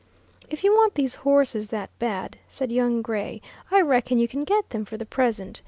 "If you want these horses that bad," said young Gray, "I reckon you can get them for the present.